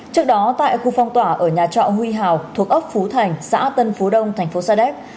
trước đó tại khu phong tỏa ở nhà trọ huy hào thuộc ấp phú thành xã tân phú đông thành phố sa đéc